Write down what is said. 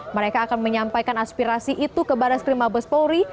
mereka akan menyampaikan aspirasi itu ke barat skrimabes polri